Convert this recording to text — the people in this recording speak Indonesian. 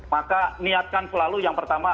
maka niatkan selalu yang pertama